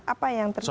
apa yang terjadi